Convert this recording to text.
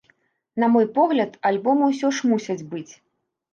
На мой погляд, альбомы ўсё ж мусяць быць.